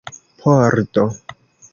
pordo